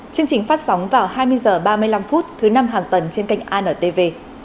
chương trình phát sóng vào hai mươi h ba mươi năm thứ năm hàng tuần trên kênh antv